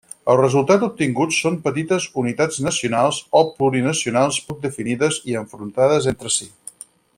El resultat obtingut són petites unitats nacionals o plurinacionals poc definides i enfrontades entre si.